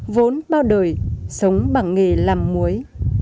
vốn bao đời sống bằng nghề làm muối